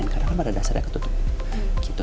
karena pada dasarnya sudah tertutup